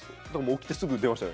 起きてすぐ電話したよ。